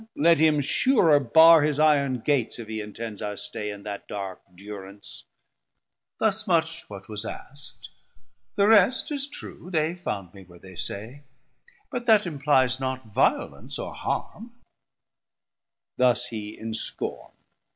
let him surer barr His Iron Gates, if he intends our stay In that dark durance: thus much what was askt. The rest is true, they found me where they say; 900 But that implies not violence or harme. Thus hee in scorn.